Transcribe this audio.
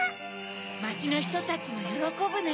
まちのひとたちもよろこぶね。